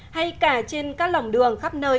hay cả trên các lỏng đường khắp nơi